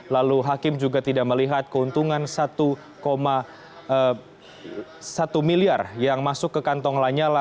lalu hakim juga tidak melihat keuntungan satu satu miliar yang masuk ke kantong lanyala